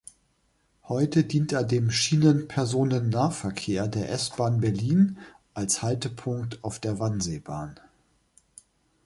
Heute dient er dem Schienenpersonennahverkehr der S-Bahn Berlin als Haltepunkt auf der Wannseebahn.